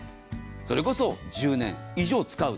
それこそ１０年以上使う。